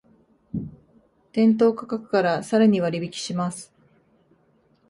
店頭価格からさらに割引します